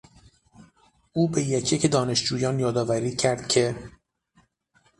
او به یک یک دانشجویان یادآوری کرد که...